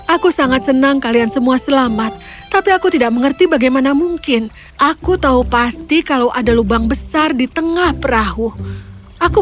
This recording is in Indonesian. aku sangat senang kalian semua selamat tapi aku tidak mengerti bagaimana mungkin aku tahu pasti kalau ada lubang besar di tengah perahu aku